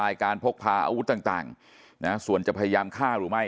อายการพกพาอาวุธต่างนะส่วนจะพยายามฆ่าหรือไม่